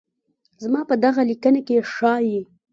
زما په دغه ليکنه کې ښايي